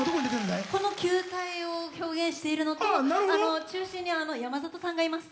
この球体を表現しているのと中心にあの山里さんがいます。